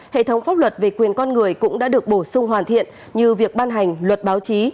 hệ thống pháp luật về quyền con người cũng đã được bổ sung hoàn thiện như việc ban hành luật báo chí